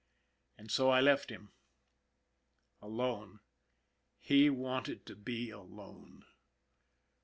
And so I left him. Alone ! He wanted to be alone.